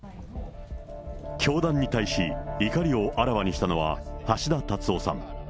教団に対し、怒りをあらわにしたのは、橋田達夫さん。